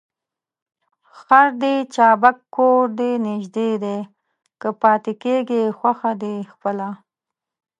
خر دي چابک کور دي نژدې دى ، که پاته کېږې خوښه دي خپله.